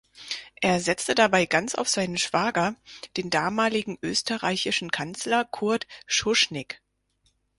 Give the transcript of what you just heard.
Er setzte dabei ganz auf seinen Schwager, den damaligen österreichischen Kanzler Kurt Schuschnigg.